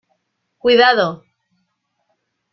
¡Cuidado!